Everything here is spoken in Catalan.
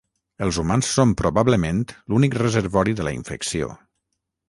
Els humans són probablement l'únic reservori de la infecció.